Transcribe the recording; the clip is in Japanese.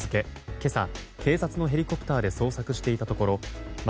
今朝、警察のヘリコプターで捜索していたところ巻